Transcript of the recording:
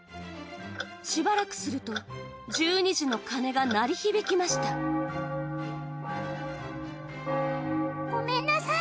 しばらくすると１２時の鐘が鳴り響きましたごめんなさい